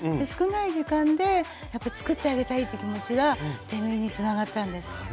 少ない時間でやっぱり作ってあげたいっていう気持ちが手縫いにつながったんです。